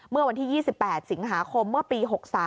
เมื่อวันที่๒๘สิงหาคมเมื่อปี๖๓